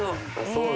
そう」